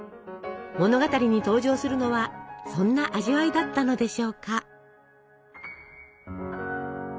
物語に登場するのはそんな味わいだったのでしょうか。